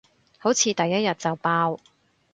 好似第一日就爆